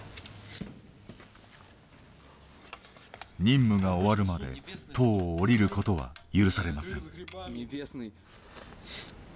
任務が終わるまで塔を降りることは許されません。